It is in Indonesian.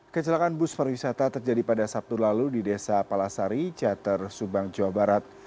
kecelakaan bus pariwisata terjadi pada sabtu lalu di desa palasari cater subang jawa barat